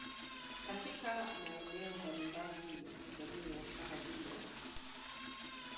Katika maeneo mbalimbali ya Tanzania kama vile